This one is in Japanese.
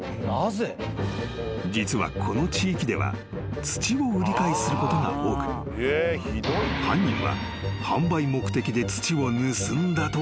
［実はこの地域では土を売り買いすることが多く犯人は販売目的で土を盗んだと思われた］